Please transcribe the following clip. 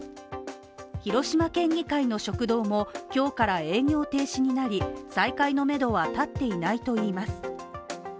広島県議会の食堂も今日から営業停止となり再開のめどは立っていないといいます。